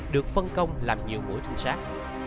được phân công làm nhiều mũi tinh sát